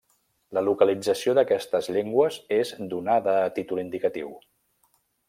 La localització d'aquestes llengües és donada a títol indicatiu.